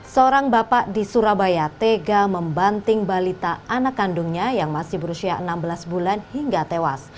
seorang bapak di surabaya tega membanting balita anak kandungnya yang masih berusia enam belas bulan hingga tewas